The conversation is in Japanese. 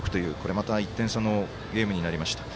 また１点差のゲームになりました。